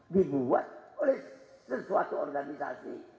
dibuat oleh sesuatu organisasi